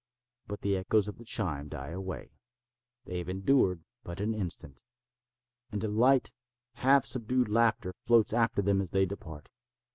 But the echoes of the chime die away—they have endured but an instant—and a light, half subdued laughter floats after them as they depart.